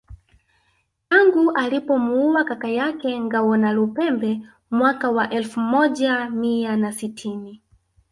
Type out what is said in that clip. Tangu alipomuua kaka yake Ngawonalupembe mwaka wa elfu moja mia na sitini